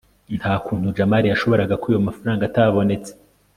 nta kuntu jamali yashoboraga kwiba amafaranga atabonetse